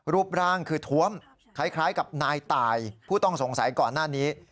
รูปร่างคือท้วมคล้ายกับนายตายผู้ต้องสงสัยก่อนหน้านี้